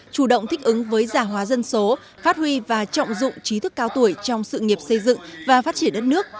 chủ động thích ứng với gia hóa dân số phát huy và trọng dụng trí thức cao tuổi trong sự nghiệp xây dựng và phát triển đất nước